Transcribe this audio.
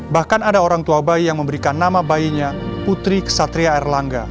bahkan ada orang tua bayi yang memberikan nama bayinya putri kesatria erlangga